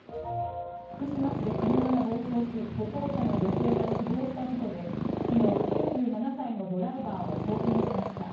福島市で車が暴走し歩行者の女性が死亡した事故で昨日、９７歳のドライバーを送検しました。